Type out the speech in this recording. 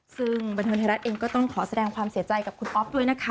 ซึ่งบันเทิงไทยรัฐเองก็ต้องขอแสดงความเสียใจกับคุณอ๊อฟด้วยนะคะ